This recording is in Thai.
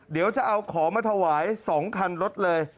เดี๋ยวจะเอาของมาถวาย๒คันรถเลย